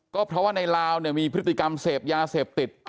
ก็เพราะว่าในลาวมีพฤติกรรมเสพยาเสพติด